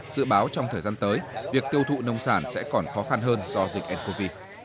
dự báo trong thời gian tới việc tiêu thụ nông sản sẽ còn khó khăn hơn do dịch ncov